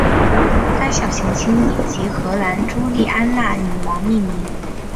该小行星以荷兰朱丽安娜女王命名。